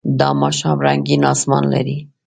دا ماښام رنګین آسمان لري.